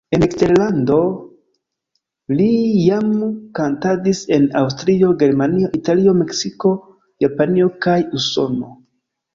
En eksterlando li jam kantadis en Aŭstrio, Germanio, Italio, Meksiko, Japanio kaj Usono.